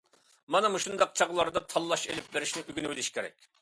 مانا مۇشۇنداق چاغلاردا تاللاش ئېلىپ بېرىشنى ئۆگىنىۋېلىش كېرەك.